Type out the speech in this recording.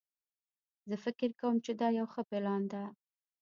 زه فکر کوم چې دا یو ښه پلان ده